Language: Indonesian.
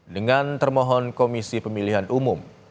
dengan termohon komisi pemilihan umum